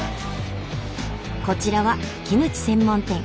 こちらはキムチ専門店。